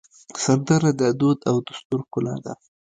سندره د دود او دستور ښکلا ده